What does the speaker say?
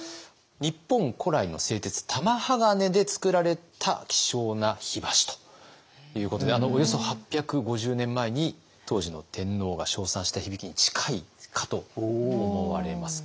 日本古来の製鉄玉鋼でつくられた希少な火箸ということでおよそ８５０年前に当時の天皇が称賛した響きに近いかと思われます。